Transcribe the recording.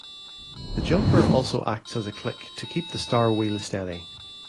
The jumper also acts as a click to keep the star wheel steady.